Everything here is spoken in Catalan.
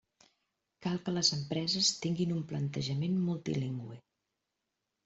Cal que les empreses tinguin un plantejament multilingüe.